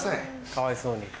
かわいそうに。